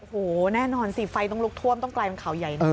โอ้โหแน่นอนสิไฟต้องลุกท่วมต้องกลายเป็นข่าวใหญ่นะ